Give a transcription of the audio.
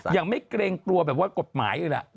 อย่างไม่เกรงตัวแบบว่ากฎหมายอีกล่ะ